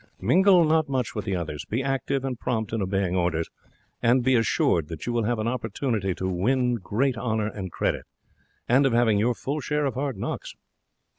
Mingle not much with the others. Be active and prompt in obeying orders, and be assured that you will have opportunities of winning great honour and credit, and of having your full share of hard knocks.